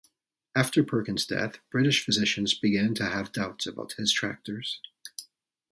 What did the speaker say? After Perkins' death, British physicians began to have doubts about his tractors.